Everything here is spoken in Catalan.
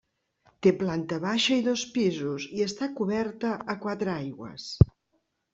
Té planta baixa i dos pisos i està coberta a quatre aigües.